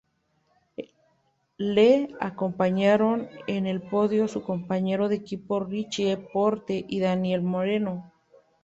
Le acompañaron en el podio su compañero de equipo Richie Porte y Daniel Moreno.